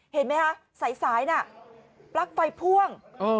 เห็นไหมฮะสายสายน่ะปลั๊กไฟพ่วงเออ